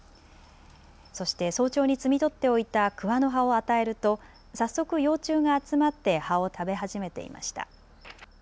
そして早朝に摘み取っておいた桑の葉を与えると早速、幼虫が集まって葉を食べ始めていました。